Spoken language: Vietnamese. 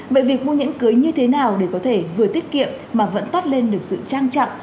vậy việc mua nhẫn cưới như thế nào để có thể vừa tiết kiệm mà vẫn toát lên được sự trang trọng